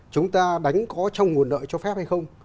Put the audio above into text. chúng ta đánh có trong nguồn nợ cho phép hay không